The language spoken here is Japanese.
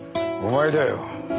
お前だよ。